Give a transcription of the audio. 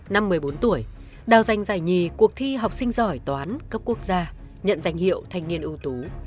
năm một mươi bốn tuổi đào giành giải nhì cuộc thi học sinh giỏi toán cấp quốc gia nhận danh hiệu thanh niên ưu tú